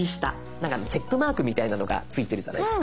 なんかチェックマークみたいなのがついてるじゃないですか。